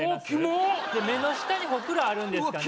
おキモッ！で目の下にホクロあるんですかね